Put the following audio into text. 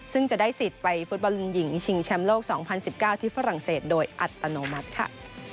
ซึ่งจะได้สิทธิ์ไปฟุตบอลหญิงชิงแชมป์โลก๒๐๑๙ที่ฝรั่งเศสโดยอัตโนมัติค่ะ